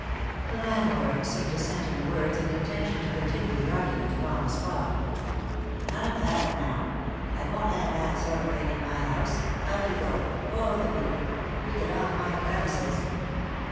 The landlord seemed to scent in the words an intention to continue the argument upon the spot. " None of that, now ; I won't have that sort of thing in my house — out you go, both of you. You get off my premises."